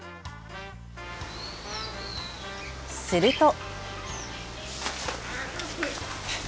すると。